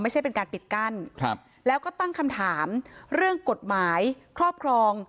ไม่ใช่เป็นการปิดกั้นแล้วก็ตั้งคำถามเรื่องกฎหมายครอบครอง